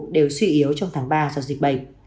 đều suy yếu trong tháng ba do dịch bệnh